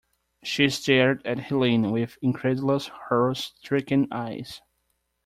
She stared at Helene with incredulous, horror-stricken eyes.